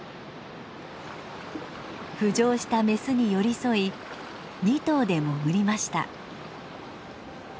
浮上したメスに寄り添い２頭で潜りました。